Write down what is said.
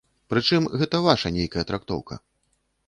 Прычым, гэта ваша нейкая трактоўка.